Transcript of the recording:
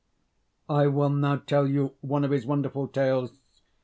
I will now tell you one of his wonderful tales.